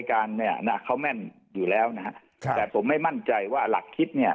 การเนี่ยนะเขาแม่นอยู่แล้วนะฮะครับแต่ผมไม่มั่นใจว่าหลักคิดเนี่ย